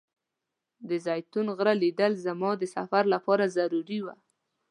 د زیتون غره لیدل زما د سفر لپاره ضروري و.